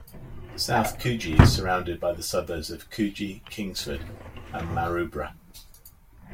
South Coogee is surrounded by the suburbs of Coogee, Kingsford and Maroubra.